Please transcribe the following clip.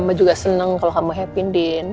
mbak juga seneng kalo kamu happyin din